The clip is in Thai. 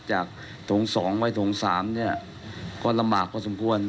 จากถงสองไว้ถงสามเนี่ยก็ลำบากกว่าสมควร